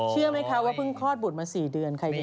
เชื่อไหมคะว่าเพิ่งคลอดบุตรมา๔เดือนใครดี